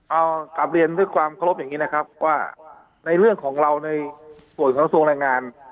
เอากลับเรียนด้วยความเคารพอย่างนี้นะครับว่าในเรื่องของเราในส่วนของกระทรวงแรงงาน